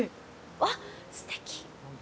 あっ、すてき。